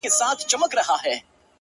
قاضي صاحبه ملامت نه یم بچي وږي وه؛